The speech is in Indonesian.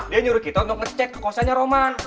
dia nyuruh kita untuk ngecek ke kosannya roman